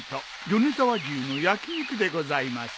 米沢牛の焼き肉でございます。